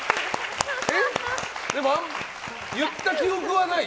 言った記憶はない？